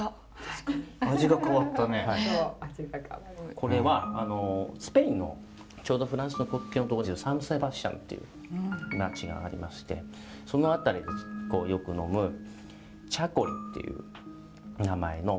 これはスペインのちょうどフランスの国境の所にサンセバスチャンっていう街がありましてその辺りでよく呑むチャコリっていう名前の微炭酸の白ワインですね。